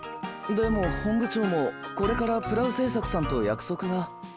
でも本部長もこれからプラウ製作さんと約束が。